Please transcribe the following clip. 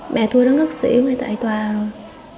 mẹ tôi đã ngất xỉu ngay tại tòa rồi